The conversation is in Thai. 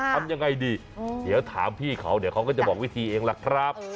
ทำยังไงดีเดี๋ยวถามพี่เขาเดี๋ยวเขาก็จะบอกวิธีเองล่ะครับ